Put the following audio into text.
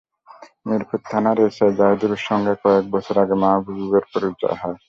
মিরপুর থানার এসআই জাহিদুরের সঙ্গে কয়েক বছর আগে মাহবুবুরের পরিচয় হয়।